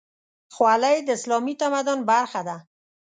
خولۍ د اسلامي تمدن برخه ده.